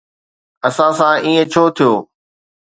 اسان سان ائين ڇو ٿيو؟